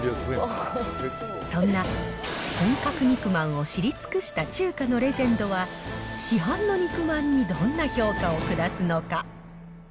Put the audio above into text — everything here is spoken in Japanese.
そんな、本格肉まんを知り尽くした中華のレジェンドは、市販の肉まんにどんな評価を下すのか。